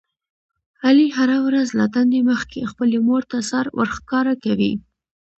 علي هره ورځ له دندې مخکې خپلې مورته سر ورښکاره کوي.